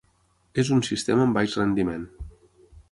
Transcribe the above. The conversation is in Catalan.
És un sistema amb baix rendiment.